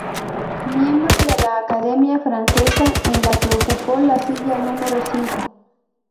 Miembro de la Academia Francesa en la que ocupó la silla número cinco.